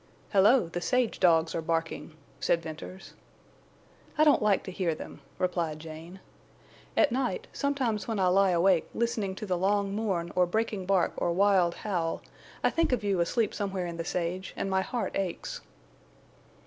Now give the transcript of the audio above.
"Hello! the sage dogs are barking," said Venters. "I don't like to hear them," replied Jane. "At night, sometimes when I lie awake, listening to the long mourn or breaking bark or wild howl, I think of you asleep somewhere in the sage, and my heart aches."